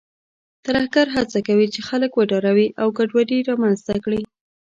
ترهګر هڅه کوي چې خلک وډاروي او ګډوډي رامنځته کړي.